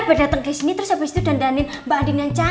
berdateng kesini terus abis itu dandanin mbak andin yang cantik